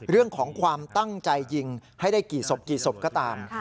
เรื่องของความตั้งใจยิงให้ได้กี่ศพกี่ศพก็ตาม